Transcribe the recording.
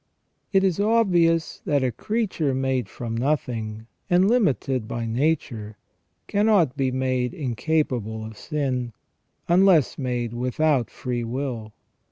f It is obvious that a creature made from nothing, and limited by nature, cannot be made incapable of sin, unless made without free will.